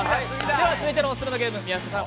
続いてのおすすめのゲーム、宮下さん